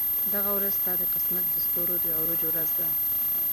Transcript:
دغه ورځ ستا د قسمت د ستورو د عروج ورځ ده.